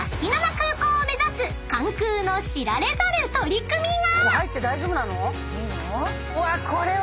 空港を目指す関空の知られざる取り組みが！］